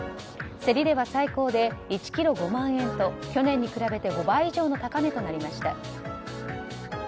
競りでは最高で１ｋｇ、５万円と去年に比べて５倍以上の高値となりました。